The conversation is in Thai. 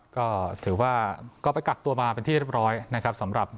ก็ถือว่าก็ไปกักตัวมาเป็นที่เรียบร้อยนะครับสำหรับ